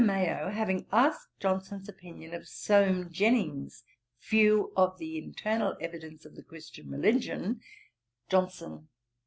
Mayo having asked Johnson's opinion of Soame Jenyns's View of the Internal Evidence of the Christian Religion; JOHNSON.